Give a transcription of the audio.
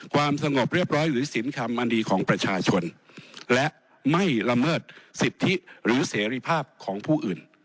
ความสงบเรียบร้อยหรือสินคำอันดีของประชาชนและไม่ละเมิดสิทธิหรือเสรีภาพของผู้อื่น